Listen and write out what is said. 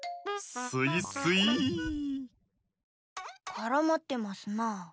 からまってますな。